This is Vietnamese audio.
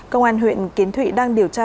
công an huyện kiến thụy đang điều tra